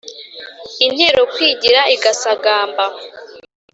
intero kwigira igasagamba